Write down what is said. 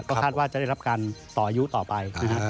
ก็คาดว่าจะได้รับการต่ออายุต่อไปนะครับ